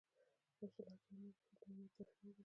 یو سل او اتمه پوښتنه د مامور ترفیع ده.